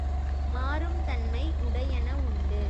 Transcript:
மாறும் தன்மை உடையன உண்டு.